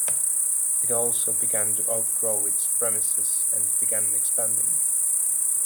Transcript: It also began to outgrow its premises and began expanding.